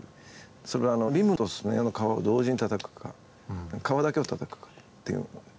それはリムとスネアの革を同時にたたくか革だけをたたくかっていうので。